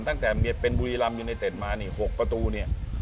ตั้งแต่เป็นบุรีรำยูไนเต็ดมานี่๖ประตูเนี่ย